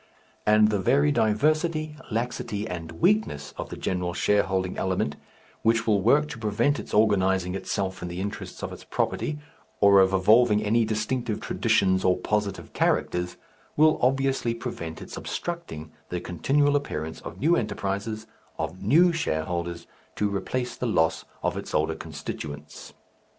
And the very diversity, laxity, and weakness of the general shareholding element, which will work to prevent its organizing itself in the interests of its property, or of evolving any distinctive traditions or positive characters, will obviously prevent its obstructing the continual appearance of new enterprises, of new shareholders to replace the loss of its older constituents....